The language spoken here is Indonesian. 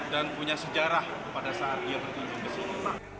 dan punya sejarah pada saat dia bertunjuk ke sini